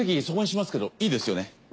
そこにしますけどいいですよね？